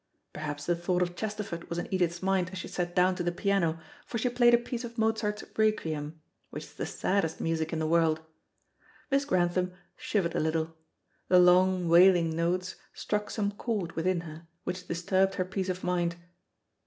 Perhaps the thought of Chesterford was in Edith's mind as she sat down to the piano, for she played a piece of Mozart's "Requiem," which is the saddest music in the world. Miss Grantham shivered a little. The long wailing notes, struck some chord, within her, which disturbed her peace of mind.